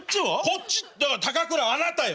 こっちだから高倉あなたよ。